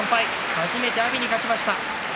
初めて阿炎に勝ちました。